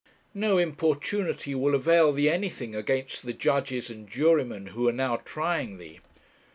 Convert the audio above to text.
No importunity will avail thee anything against the judges and jurymen who are now trying thee.